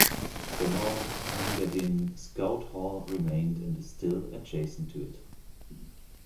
The North Engadine Scout Hall remained and is still adjacent to it.